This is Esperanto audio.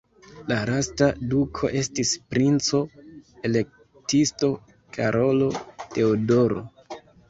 La lasta duko estis princo-elektisto Karolo Teodoro.